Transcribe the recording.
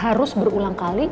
harus berulang kali